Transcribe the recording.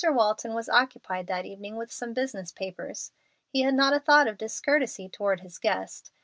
Walton was occupied that evening with some business papers. He had not a thought of discourtesy toward his guest.